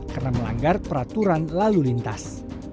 karena melanggar peraturan lalu lintas